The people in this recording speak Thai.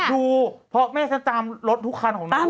ดูพอแม่จะตามรถทุกคันของนาย